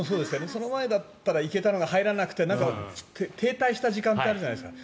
その前だったら行けたのが入らなくて停滞した時間あったじゃないですか。